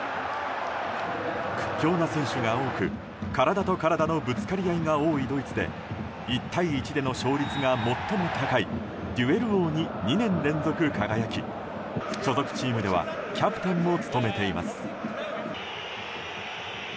屈強な選手が多く、体と体のぶつかり合いが多いドイツで１対１での勝率が最も高いデュエル王に２年連続輝き所属チームではキャプテンも務めています。